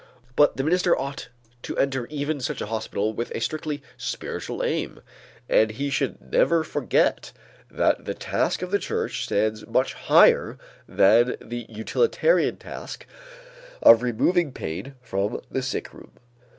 But the minister ought to enter even such a hospital with a strictly spiritual aim, and he should never forget that the task of the church stands much higher than the utilitarian task of removing pain from the sick room.